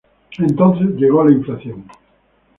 Entonces llegó la inflación.